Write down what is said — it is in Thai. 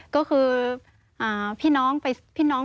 ก็คือพี่น้องไปส่งค่ะ